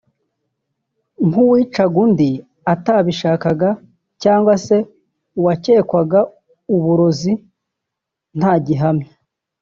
nk’uwicaga undi atabishakaga cyangwa se uwakekwaga uburozi nta gihamya